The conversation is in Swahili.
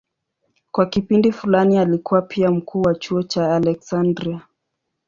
Kwa kipindi fulani alikuwa pia mkuu wa chuo cha Aleksandria.